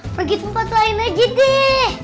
pergi tempat lain aja deh